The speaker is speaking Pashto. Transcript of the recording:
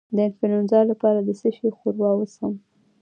د انفلونزا لپاره د څه شي ښوروا وڅښم؟